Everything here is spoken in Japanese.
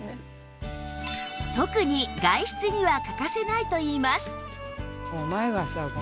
特に外出には欠かせないといいます